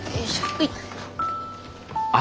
はい。